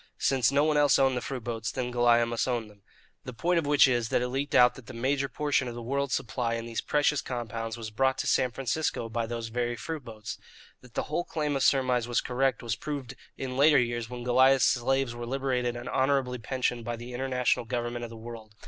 Since no one else owned the fruit boats, then Goliah must own them. The point of which is: _that it leaked out that the major portion of the world's supply in these precious compounds was brought to San Francisco by those very fruit boats_. That the whole chain of surmise was correct was proved in later years when Goliah's slaves were liberated and honourably pensioned by the international government of the world.